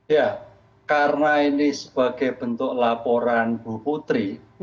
ya karena ini sebagai bentuk laporan bu putri